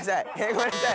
ごめんなさい！